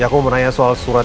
ya aku mau tanya soal surat